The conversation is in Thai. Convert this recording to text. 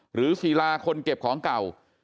หรือศิราคนเก็บของเก่า